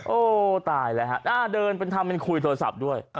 โอ้ตายแล้วฮะเดินเป็นทำเป็นคุยโทรศัพท์ด้วย